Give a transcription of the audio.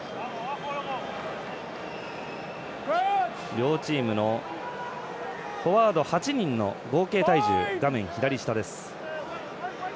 両チームのフォワード８人の合計体重です。